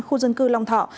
khu dân cư long thọ